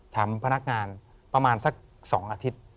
พนักงานประมาณสัก๒อาทิตย์